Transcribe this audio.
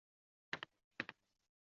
世界从何来？